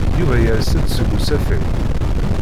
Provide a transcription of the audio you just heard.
Yuba yers-d seg usafag.